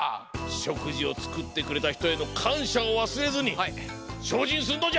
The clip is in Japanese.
しょくじをつくってくれたひとへのかんしゃをわすれずにしょうじんするのじゃ！